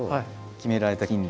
決められた斤量